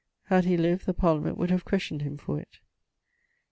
Had he lived the Parliament would have questioned him for it.